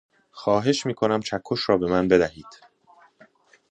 خواهش میکنم چکش را به من بدهید.